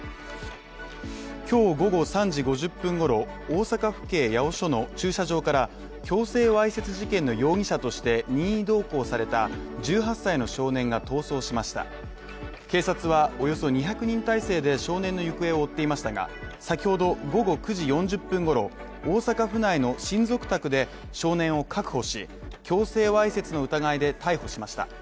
今日午後３時５０分ごろ、大阪府警八尾署の駐車場から強制わいせつ事件の容疑者として任意同行された１８歳の少年が逃走しましたが、警察はおよそ２００人態勢で少年の行方を追っていましたが、先ほど午後９時４０分ごろ、大阪府内の親族宅で少年を確保し、強制わいせつの疑いで逮捕しました。